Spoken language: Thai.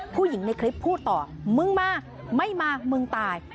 ผู้หญิงในคลิปพูดต่อมึงมาไม่มามึงตาย